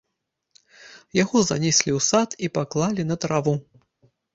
Яго занеслі ў сад і паклалі на траву.